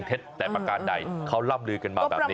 เท็จแต่ประการใดเขาร่ำลือกันมาแบบนี้